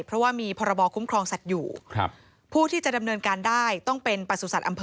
เพราะว่ามีพรบคุ้มครองสัตว์อยู่ครับผู้ที่จะดำเนินการได้ต้องเป็นประสุทธิ์อำเภอ